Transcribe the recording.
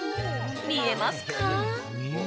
見えますか？